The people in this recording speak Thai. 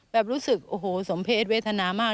แบบรู้สึกโอ้โหสมเพศเวทนามาก